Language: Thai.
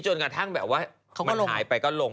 จนกระทั่งแบบว่ามันหายไปก็ลง